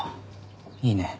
いいね。